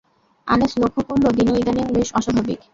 আনিস লক্ষ্য করল, দিনু ইদানীং বেশ অস্বাভাবিক।